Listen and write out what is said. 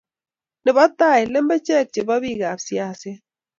nebo tai, lembechek chebo bikaap siaset